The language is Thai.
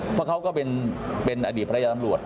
เพราะเขาก็เป็นอดีตภรรยาตำรวจ